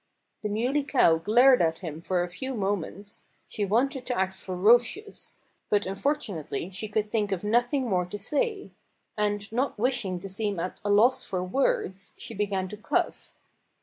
The Muley Cow glared at him for a few moments. She wanted to act ferocious; but unfortunately she could think of nothing more to say. And not wishing to seem at a loss for words, she began to cough.